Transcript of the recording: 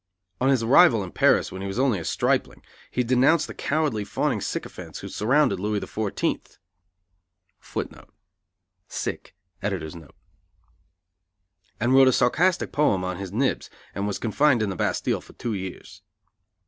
On his arrival in Paris, when he was only a stripling, he denounced the cowardly, fawning sycophants who surrounded Louis XIV,[B] and wrote a sarcastic poem on His Nibs, and was confined in the Bastille for two years.